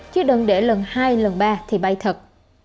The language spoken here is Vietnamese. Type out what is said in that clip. chứ đừng để lần hai lần ba thì bay thật